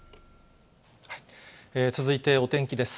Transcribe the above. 続いてお天気です。